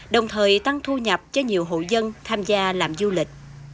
đồng thời tăng thu nhập cho nhiều hộ dân tham gia làm du lịch